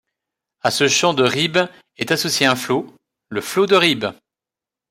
À ce champ de Reeb est associé un flot, le flot de Reeb.